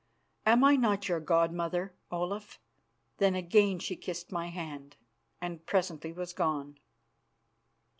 Am I not your god mother, Olaf?" Then again she kissed my hand and presently was gone.